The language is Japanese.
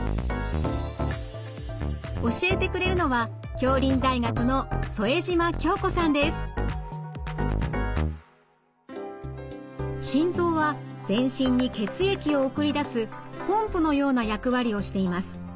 教えてくれるのは心臓は全身に血液を送り出すポンプのような役割をしています。